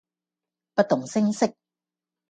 不動聲色